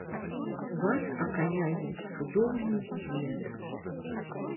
Вас акаляе цудоўны свет.